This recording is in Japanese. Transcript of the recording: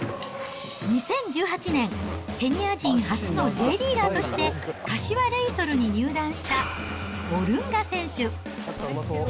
２０１８年、ケニア人初のＪリーガーとして、柏レイソルに入団したオルンガ選手。